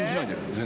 全然。